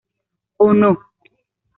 O no".